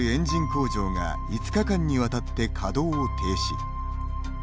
工場が５日間に渡って稼働を停止。